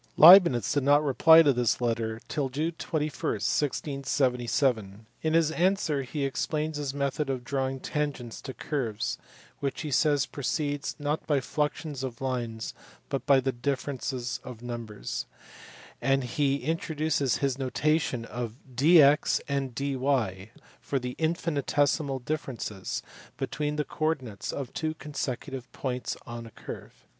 Leibnitz did not reply to this letter till June 21, 1677. In his answer he explains his method of drawing tangents to curves, which he says proceeds "not by fluxions of lines but by the differences of numbers"; and he introduces his notation ^f dx and dy for the infinitesimal differences between the co ordinates of two consecutive points on a curve.